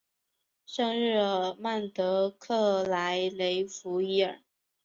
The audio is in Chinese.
圣日尔曼德克莱雷弗伊尔。